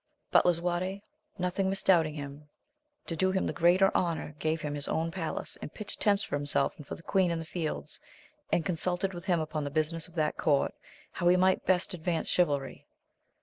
But Lisuarte, nothing misdoubting him, to do him the greater honour gave him his own palace, and pitched tents for himself and for the queen in the fields, and consulted with him upon the business of that court, how he might best advance chivalry.